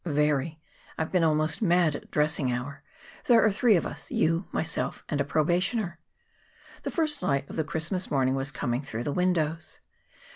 "Very. I've been almost mad at dressing hour. There are three of us you, myself, and a probationer." The first light of the Christmas morning was coming through the windows.